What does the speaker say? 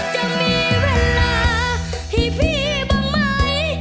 จะมีเวลาให้พี่บ้างไหม